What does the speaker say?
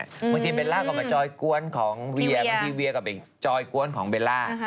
บางทีเบลล่าก็มาจอยกวนของเวียบางทีเวียก็เป็นจอยกวนของเบลล่า